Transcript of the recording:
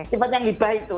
sifatnya hibah itu